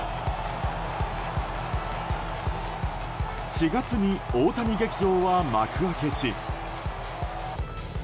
４月に大谷劇場は幕開けし。